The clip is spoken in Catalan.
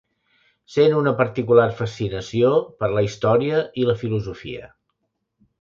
Sent una particular fascinació per la història i la filosofia.